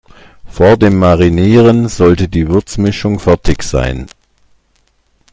Vor dem Marinieren sollte die Würzmischung fertig sein.